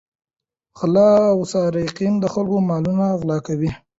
غله او سارقین د خلکو مالونه غلا کوي.